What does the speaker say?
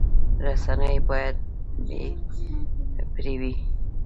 رسنۍ باید بې پرې وي